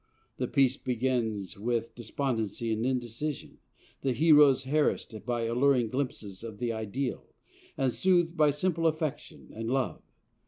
"The piece begins with despondency and indecision. The hero is harassed by alluring glimpses of the ideal, and soothed by simple affection and love.